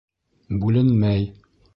Бүленмәй.